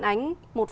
không bao che